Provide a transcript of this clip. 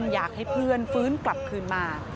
อยากให้เพื่อนฟื้นกลับคืนมา